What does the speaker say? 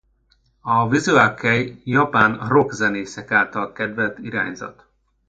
A visual kei japán rock zenészek által kedvelt irányzat.